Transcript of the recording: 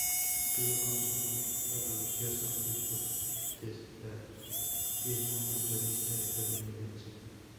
Tuvo como contexto religioso el protestantismo metodista estadounidense.